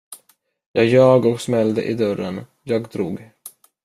Jag ljög och smällde i dörren, jag drog.